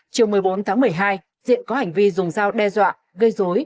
chiều một mươi bốn tháng một mươi hai diện có hành vi dùng dao đe dọa gây dối